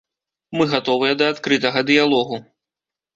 Мы гатовыя да адкрытага дыялогу.